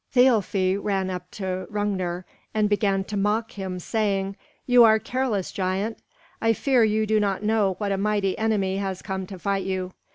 Thialfi ran up to Hrungnir and began to mock him, saying, "You are careless, giant. I fear you do not know what a mighty enemy has come to fight you.